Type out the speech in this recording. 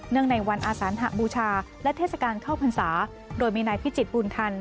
ในวันอาสานหบูชาและเทศกาลเข้าพรรษาโดยมีนายพิจิตรบุญทัน